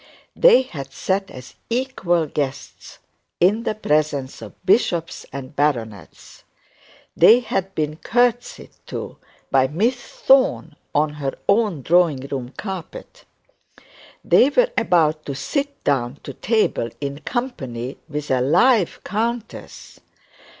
They had sat as equal guests in the presence of bishops and baronets; they had been curtseyed to by Miss Thorne on her own drawing room carpet; they were about to sit down to table in company with a live countess!